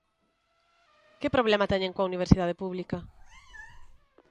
¿Que problema teñen coa universidade pública?